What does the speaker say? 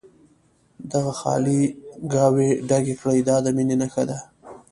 دغه خالي ګاوې ډکې کړي دا د مینې نښه ده.